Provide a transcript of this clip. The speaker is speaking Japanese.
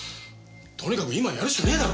とにかく今はやるしかねえだろ。